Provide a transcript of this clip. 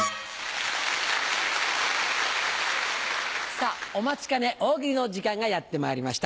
さぁお待ちかね大喜利の時間がやってまいりました。